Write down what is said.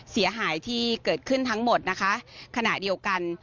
เสียหายที่เกิดขึ้นทั้งหมดนะคะขณะเดียวกัน